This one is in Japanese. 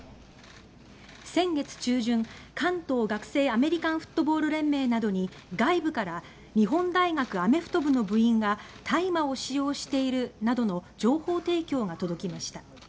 先月中旬関東学生アメリカンフットボール連盟などに外部から「日本大学アメフト部の部員が大麻を使用している」などの情報提供が届きました。